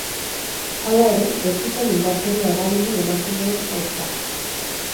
Hala ere, ez zuten indarkeria erabili emakumeen aurka.